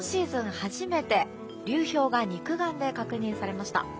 初めて流氷が肉眼で確認されました。